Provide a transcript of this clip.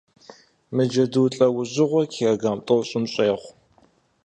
Мы джэду лӏэужьыгъуэр киллограмм тӀощӀым щӀегъу.